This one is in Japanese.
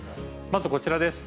まず、こちらです。